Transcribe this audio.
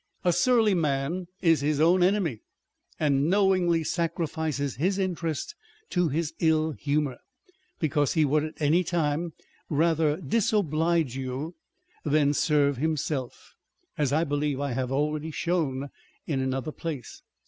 A surly man is his own enemy, and knowingly sacrifices his interest to his ill humour, because he would at any time rather disoblige you than serve himself, as I believe I have already shown in another place.